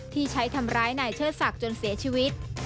ที่ใช้ทำร้ายนายเชิดศักดิ์จนเสียชีวิต